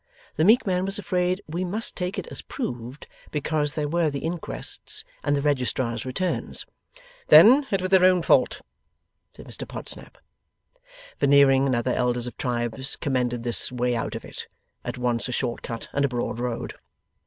The meek man was afraid we must take it as proved, because there were the Inquests and the Registrar's returns. 'Then it was their own fault,' said Mr Podsnap. Veneering and other elders of tribes commended this way out of it. At once a short cut and a broad road.